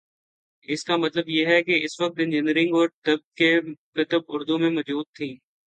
اس کا مطلب یہ ہے کہ اس وقت انجینئرنگ اور طب کی کتب اردو میں مو جود تھیں۔